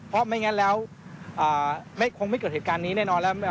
เพราะไม่งั้นแล้วคงไม่เกิดเหตุการณ์นี้แน่นอนแล้ว